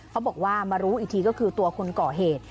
เขาบอกว่ามารู้อีกทีก็คือตัวคนก่อเหตุ